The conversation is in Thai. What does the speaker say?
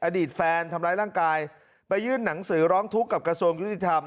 อดีตแฟนทำร้ายร่างกายไปยื่นหนังสือร้องทุกข์กับกระทรวงยุติธรรม